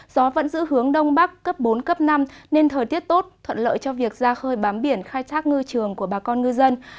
gió vẫn giữ hướng đông bắc cấp bốn cấp năm nên thời tiết tốt thuận lợi cho việc ra khơi bám biển khai thác ngư trường của bà con ngư dân